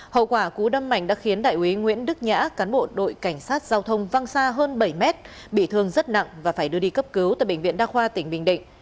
hậu quả cú đâm mạnh đã khiến đại úy nguyễn đức nhã cán bộ đội cảnh sát giao thông văng xa hơn bảy mét bị thương rất nặng và phải đưa đi cấp cứu tại bệnh viện đa khoa tỉnh bình định